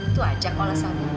itu aja kualitasnya